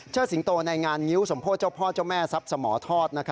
สิงโตในงานงิ้วสมโพธิเจ้าพ่อเจ้าแม่ทรัพย์สมทอด